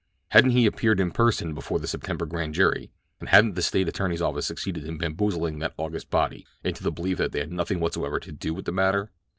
Hadn't he appeared in person before the September Grand Jury, and hadn't the state Attorney's office succeeded in bamboozling that August body into the belief that they had nothing whatsoever to do with the matter?